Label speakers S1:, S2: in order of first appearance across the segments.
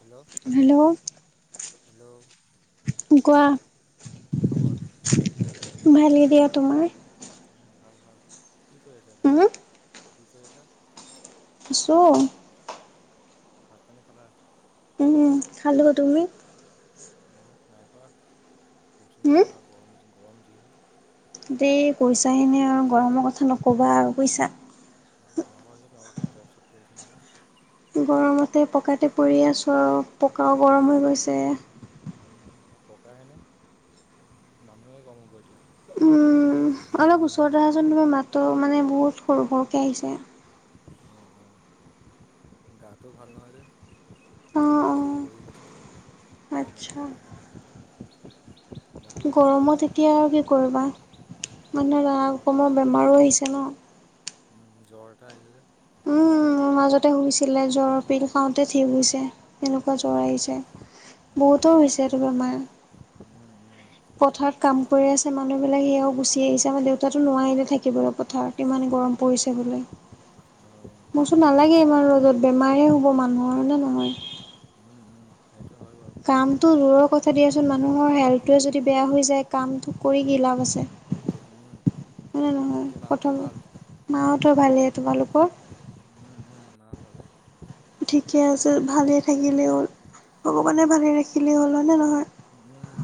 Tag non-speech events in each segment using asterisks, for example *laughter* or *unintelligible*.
S1: Hello
S2: hello
S1: hello
S2: কি কৰা
S1: কি খবৰ
S2: ভালেই দিয়া তোমাৰ
S1: উম ভাল ভাল কি কৰি আছা এতিয়া
S2: উম
S1: কি কৰি আছা
S2: আছোঁ আৰু
S1: ভাত পানী খালা
S2: উমম খালো তুমি
S1: নাই খোৱা ভোক চুখ
S2: উম
S1: নাই থকা গৰম গৰম যিহে
S2: দেই কৈছাহেনে আৰু গৰমৰ কথা নকবা আৰু কইছা
S1: মই বাৰু তোমালোকৰ ফালে বৰফ সৰফ পৰিছে নেকি
S2: গৰমতে পকাতে পৰি আছোঁ আৰু পকাও গৰম হৈ গৈছে
S1: পকাহেনে মানুহে গৰম হ'ব এতিয়া
S2: উম অলপ ওচৰত অহাচোন তোৰ মতটো মানে বহুত সৰু সৰকে আহিছে
S1: হ গাটো ভাল নহয় যে
S2: অঁ
S1: মাত চাত বহি
S2: অঁ
S1: গৈছে
S2: আচ্ছা
S1: *unintelligible* মাহঁতৰ ভাল
S2: গৰমত এতিয়া আৰু কি কৰিবা
S1: উম,
S2: মানুহে
S1: মাহঁতৰ ভাল
S2: ল'মান বেমাৰো আহিছে ন
S1: উম জ্বৰ এটা আহিছে যে
S2: উম মোৰ মাজতে হৈছিলে জ্বৰ পিল খাওঁতে ঠিক হৈছে এনেকুৱা জ্বৰ
S1: উম,
S2: আহিছে
S1: উম,
S2: বহুতৰে
S1: আচ্ছা
S2: হৈছেটো বেমাৰ
S1: উম, উম,
S2: পথাৰত কাম কৰি আছে মানুহবিলাক সেয়াও গুচি আহিছে আমাৰ দেউতাাতো নোৱাৰিলে থাকিব আৰু পথাৰ কিমান গৰম পৰিছে বোলে
S1: অ
S2: ভুক চুক নালাগে ইমান ৰ'দত বেমাৰ হ'ব মানুহৰ নে নহয়
S1: উম উম সেইটো হয় বাৰু
S2: কামটো দূৰৰ কথা দিয়াচোন মানুহৰ হেল্থটোৱে যদি বেয়া হৈ যায় কামটো কৰি কি লাভ আছে
S1: উম,
S2: হয় নহয়
S1: বাকী
S2: কথাটো
S1: মাহঁতৰ ভাল
S2: মাহতৰ ভালে তোমালোকৰ
S1: উম উম নাই ভালেই
S2: ঠিকে আছে
S1: উম,
S2: ভালেই থাকিলেই হ'ল
S1: উম,
S2: ভগৱানে ভালে ৰাখিলেই হ'ল হয়নে নহয়
S1: হম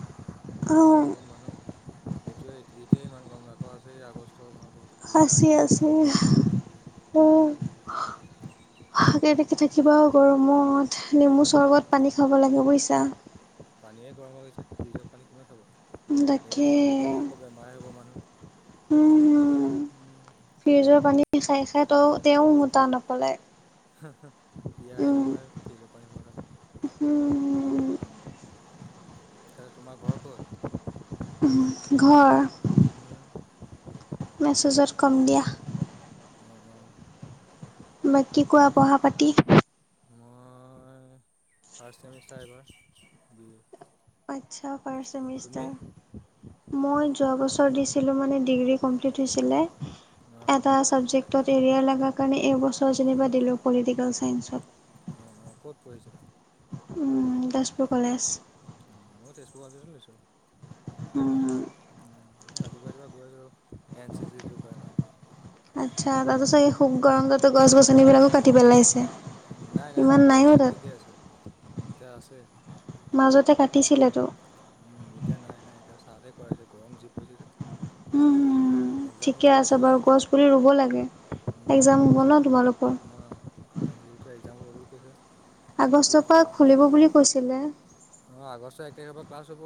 S2: অ'।
S1: গৰমত মানুহ এইেটোৱে এতিয়া ইমান গৰম ন আকৌ আছে আগষ্ট মাহটো জুলাই
S2: আছে
S1: শেষে
S2: আছে
S1: আৰম্ভ হৈছেহে।
S2: উম ভালকৈ
S1: উম,
S2: থাকিবা
S1: তাকে
S2: গৰমত নেমু চৰ্বত পানী খাব লাগে বুজিছা
S1: পানীয়েে গৰম হৈ গৈছে ফ্ৰীজৰ পানী কিমান খাব সেই গাল
S2: তাকে
S1: খাওঁ আকৌ বেমাৰ হ'ব মানুহ
S2: উম
S1: হম্
S2: ফ্ৰিজৰ পানী খাই খাই ত তেওঁও হুতা নপালায়
S1: বিয়াহে নময় ফ্ৰীজৰ পানীবোৰ খালে হম ত তোমাৰ ঘৰ ক'ত
S2: ঘৰ
S1: উম
S2: মেছেজত কম দিয়া।
S1: অ', অ',।
S2: বাকী কোৱা পঢ়া পাতি।
S1: মই ফাৰ্ষ্ট ছেমিষ্টাৰ এইবাৰ বি এ।
S2: আচ্ছা ফাৰ্ষ
S1: তুমি?
S2: চেমেষ্টাৰ। মই যোৱা বছৰ দিছিলোঁ মানে ডিগ্ৰী কম্প্লিত হৈছিলে
S1: অ',
S2: এটা চাবজেক্টত এৰিয়া লগাৰ কাৰণে এইবছৰ যেনিবা দিলোঁ পলিটিকেল চাইন্সত।
S1: অ', অ', কত পঢ়িছিলা?
S2: তেজপুৰ কলেজ।
S1: অ', ময়ো তেজপুৰ কলেজতে লৈছো।
S2: উম,।
S1: উম, এ ৰাতিপুৱা ৰাতিপুৱা গৈ আছো এন চি চিটোৰ কাৰণে।
S2: আচ্ছা তাৰপিছত এই শুব গৰম ততে গছ গছনিবিলাকো কাটি পেলাইছে।
S1: নাই নাই
S2: ইমান
S1: গছ
S2: নাইও
S1: গছনী
S2: তাত
S1: ঠিকে আছে, এতিয়া আছে।
S2: মাজতে কাটিছিলেতো।
S1: উম, এতিয়া নাই নাই এতিয়া চাহতে কৰাইছে, গৰম জী পৰিছে যে।
S2: উম,
S1: এক্সাম হ'ব
S2: ঠিকে
S1: বুলি
S2: আছে
S1: কৈ
S2: বাৰু গছ পুলি ৰুব লাগে। এক্সাম হ'ব ন তোমালোকৰ?
S1: অ' এন চি চিটো এক্সাম হ'ব বুলি কৈছে
S2: আগষ্টৰ পৰা খুলিব বুলি কৈছিলে।
S1: অ', আগষ্টৰ এক তাৰিখৰ পৰা ক্লাছ হ'ব,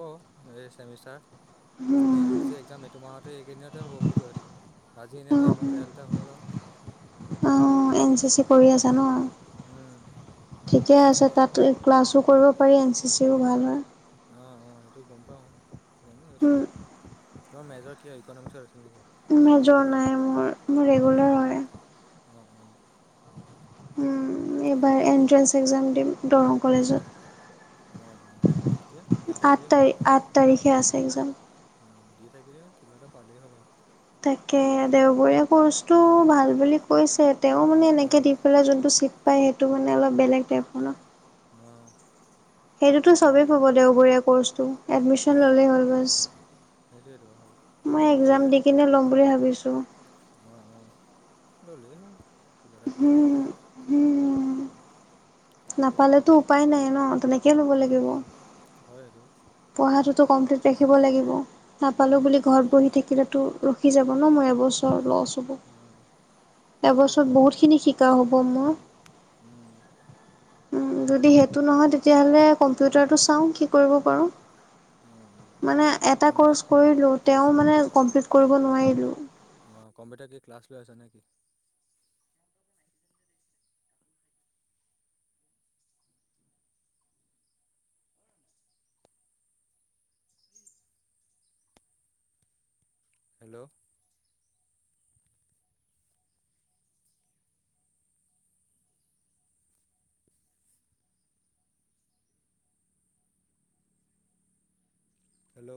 S1: এই চেমিষ্টাৰ। এনে এন চি চি এক্সাম এইটো মাহতে এইকেইদিনতে হ'ব বুলি কৈ আছে। আজি এনেই ডেমৰ ট্ৰায়েল এটা হ'ল আৰু।
S2: অ', এন চি চি কৰি আছা ন।
S1: উম,
S2: ঠিকে
S1: এই
S2: আছে তাত ক্লাছো কৰিব পাৰি এন চি চিও ভাল হয়।
S1: অ', অ', সেইটো গম পাওঁ, সেইকাৰণে লৈছো। তাৰ মেজৰ কিয় ইকনমিক্সত আছিল নেকি? নে
S2: মেজৰ নাই
S1: পলটিকেলত?
S2: মোৰ মোৰ ৰেগুলাৰ হয়
S1: অ', অ',।
S2: উম, এইবাৰ এণ্ট্ৰেঞ্চ এক্সাম দিম দৰং
S1: অঁ অঁ অঁ
S2: কলেজত।
S1: ঠিকে আছে দি
S2: আঠ
S1: থাকিলেই
S2: তাৰিখ- আঠ তাৰিখে আছে একজ্ৰাম।
S1: অ' দি থাকিলে হল, কিবা এটা পালেই হ'ল আৰু।
S2: তাকে, দেওবৰীয়া কৰ্চটো ভাল বুলি কৈছে তেওঁ মানে
S1: আৰু
S2: এনেকে
S1: অঁ
S2: দি বলে যোনটো ছিট পায় সেইটো মানে অলপ বেলেগ টাইপৰ ন।
S1: অ',।
S2: সেইটোতো চবেই পাব দেওবৰীয়া কৰ্চটো, এডমিশন
S1: উম
S2: ললেই হ'ল বাচ।
S1: সেইটোৱেতো
S2: মই
S1: গৰম
S2: এক্জাম দি কিনে লম বুলি ভাবিছো।
S1: অ', অ', ললেই হল। কিবা এটা কৰি
S2: হুম
S1: থাকিলে,
S2: হুম
S1: উম, তাকে।
S2: নাপালেতো উপায় নাই ন তেনেক
S1: উম, উম, হয় এটো।
S2: পঢ়াটোতো কমপ্লিট ৰাখিব লাগিব, নাপালোঁ বুলি ঘৰত বহি থাকিলেতো ৰখি যাব ন মোৰ এবছৰ লছ হব
S1: সেইটোৱে
S2: এবছৰত বহুত খিনি শিকা হ'ব মোৰ
S1: উম,।
S2: উম, যদি সেইটো নহয় তেতিয়াহলে কম্পিউটাৰটো চাওঁ কি কৰিব পাৰো।
S1: অঁ অঁ
S2: মানে এটা
S1: কম্পিউটাৰত
S2: কৰ্চ কৰিলো তেওঁ মানে কমপ্লিট কৰিব নোৱাৰিলো।
S1: অ', কম্পিউটাৰ কি কিল্লাছ লৈ আছা নে কি? উম, হেল্ল'। হেল্ল'।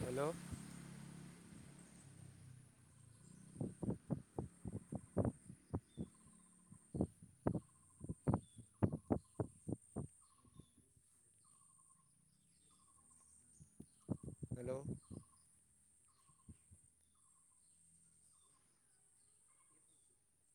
S1: *inaudible* হেল্ল'। হেল্ল'।